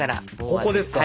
ここですか？